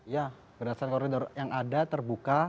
ya berdasarkan koridor yang ada terbuka